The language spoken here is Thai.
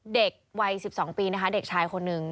เด็กวัย๑๒ปีนะคะเด็กชายคนนึง